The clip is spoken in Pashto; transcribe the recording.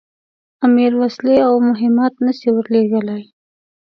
امیر وسلې او مهمات نه سي ورلېږلای.